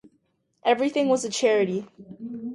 Everything was a charity.